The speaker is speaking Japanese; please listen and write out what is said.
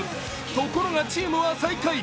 ところがチームは最下位。